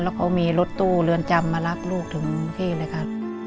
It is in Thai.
แล้วเขามีรถตู้เรือนจำมารับลูกถึงที่เลยค่ะ